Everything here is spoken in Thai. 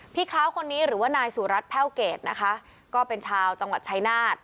คล้าวคนนี้หรือว่านายสุรัตนแพ่วเกรดนะคะก็เป็นชาวจังหวัดชายนาฏ